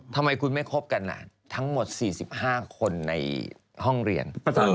ทำไมคุณไม่คบกันทั้งหมด๔๕คนในห้องเรียน